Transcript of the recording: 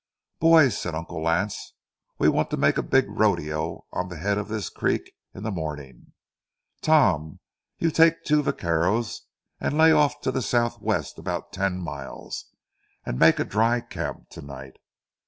"Boys," said Uncle Lance, "we want to make a big rodeo on the head of this creek in the morning. Tom, you take two vaqueros and lay off to the southwest about ten miles, and make a dry camp to night.